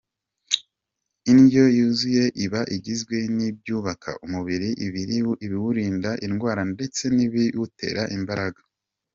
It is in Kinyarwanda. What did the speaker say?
Indyo yuzuye iba igizwe n'ibyubaka umubiri, ibiwurinda indwara ndetse n’ibiwutera imbaraga.